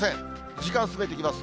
時間進めていきます。